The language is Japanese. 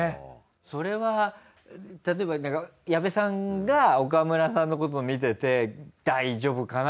それは例えば矢部さんが岡村さんのことを見てて大丈夫かな